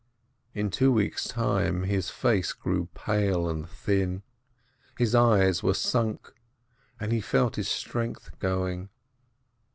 In two weeks time his face grew pale and thin, his eyes were sunk, and he felt his strength going.